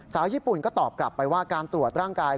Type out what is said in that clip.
ญี่ปุ่นก็ตอบกลับไปว่าการตรวจร่างกาย